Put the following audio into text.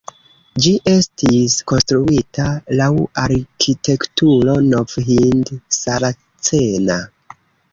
Ĝi estis konstruita laŭ arkitekturo nov-hind-saracena.